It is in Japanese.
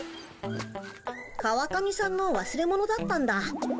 川上さんのわすれ物だったんだ。